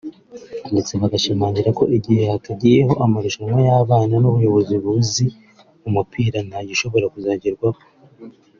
ndetse bagashimangira ko igihe hatagiyeho amarushanwa y’abana n’ubuyobozi buzi umupira nta gishobora kuzagerwaho